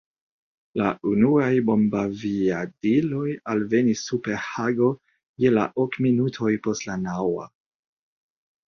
La unuaj bombaviadiloj alvenis super Hago je la ok minutoj post la naŭa.